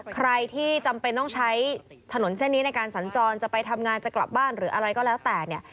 ใครที่จำเป็นต้องใช้ถนนเส้นนี้ในการสัญจรจะไปทำงานจะกลับบ้านหรืออะไรก็แล้วแต่เนี่ย